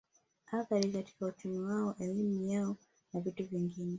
Athari katika uchumi wao elimu yao na vitu vingine